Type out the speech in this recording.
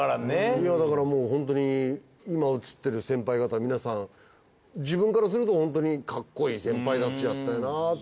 いやだからもうホントに今映ってる先輩方皆さん自分からするとホントにかっこいい先輩たちだったよなって。